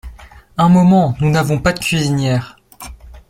Un moment ! nous n’avons pas de cuisinière…